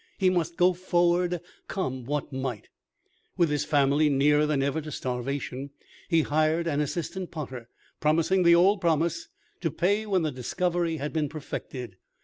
He must go forward, come what might. With his family nearer than ever to starvation, he hired an assistant potter, promising the old promise, to pay when the discovery had been perfected.